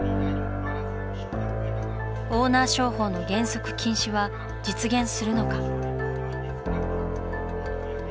オーナー商法の原則禁止は実現するのか。